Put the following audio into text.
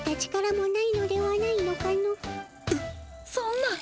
そんな。